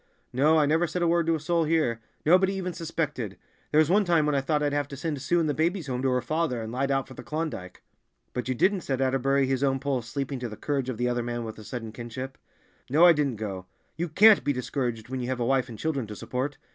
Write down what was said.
No, I never said a word to a soul here; nobody even suspected. There was one time when I thought I'd have to send Sue and the babies home to her father, and light out for the Klondike." "But you didn't," said Atterbury, his own pulse leaping to the courage of the other man with a sudden kinship. "No, I didn't go. You can't be discouraged when you have a wife and children to support.